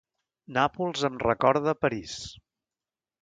Nàpols em recorda París.